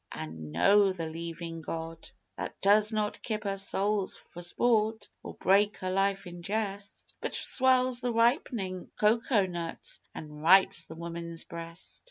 "an' know the Leevin' God, That does not kipper souls for sport or break a life in jest, But swells the ripenin' cocoanuts an' ripes the woman's breast."